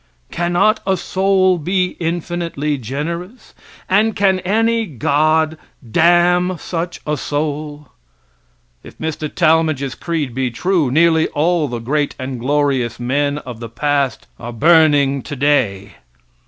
Cannot a soul be infinitely generous? And can any God damn such a soul? If Mr. Talmage's creed be true, nearly all the great and glorious men of the past are burning today.